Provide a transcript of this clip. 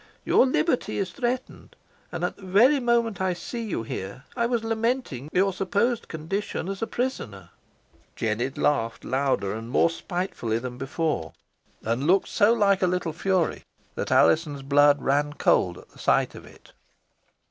Your liberty is threatened, and at the very moment I see you here I was lamenting your supposed condition as a prisoner." Jennet laughed louder and more spitefully than before, and looked so like a little fury that Alizon's blood ran cold at the sight of it.